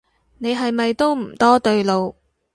你係咪都唔多對路